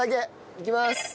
いきます。